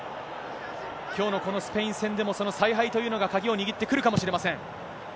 きょうのこのスペイン戦でも、その采配というのが鍵を握ってくるかもしれません。